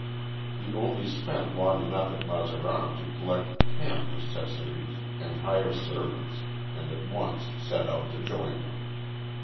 He only spent long enough at Mazaran to collect camp necessaries and hire servants, and at once set out to join them.